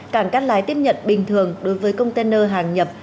cảng cát lái tiếp nhận bình thường đối với container hàng nhập